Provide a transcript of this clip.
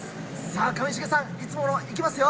さあ、上重さん、いつものいきますよ。